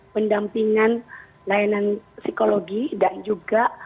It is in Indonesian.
pendampingan layanan psikologi dan juga